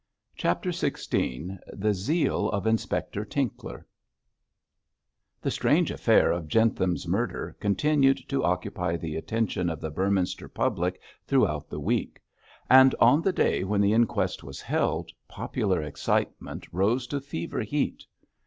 CHAPTER XVI THE ZEAL OF INSPECTOR TINKLER The strange affair of Jentham's murder continued to occupy the attention of the Beorminster public throughout the week; and on the day when the inquest was held, popular excitement rose to fever heat.